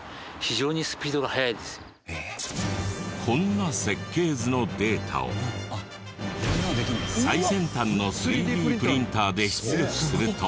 こんな設計図のデータを最先端の３Ｄプリンターで出力すると。